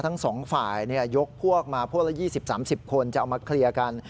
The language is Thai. ทั้งสองฝ่ายยกพวกมาพวกละ๒๐๓๐คนจะเอามาเคลียร์กัน